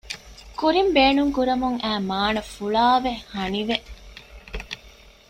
ކުރިން ބޭނުންކުރަމުން އައި މާނަ ފުޅާވެ ހަނިވެ